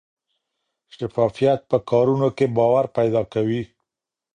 شفافیت په کارونو کې باور پیدا کوي.